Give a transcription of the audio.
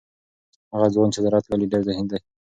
هغه ځوان چې زراعت لولي ډیر ذهین دی.